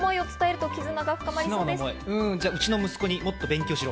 うちの息子にもっと勉強しろ。